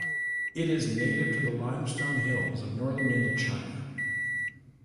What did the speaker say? It is native to the limestone hills of northern Indochina.